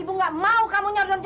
ibu jadi gak suka ya sama keduanya